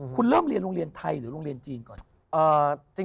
คุณเริ่มเรียนโรงเรียนไทยหรือโรงเรียนจีนก่อน